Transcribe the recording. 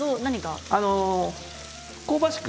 香ばしく